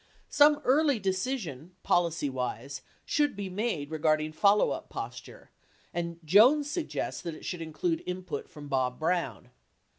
Some early decision, policy wise, should be made regarding follow up posture (and Jones suggests that it should include input from Bob Brown)